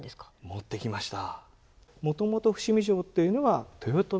持ってきました。